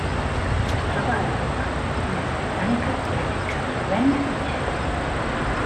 Es troba a Europa: les illes Britàniques, Bèlgica, Eslovènia i Txèquia.